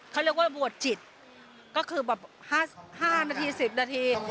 เขาเรียกว่าบวชจิตก็คือแบบ๕นาที๑๐นาที